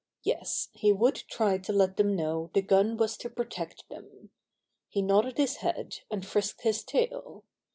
Yes, he would try to let them know th^ gun was to protect them. He nodded his head, and frisked his tail.